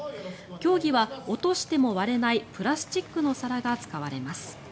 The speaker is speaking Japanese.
競技は落としても割れないプラスチックの皿が使われます。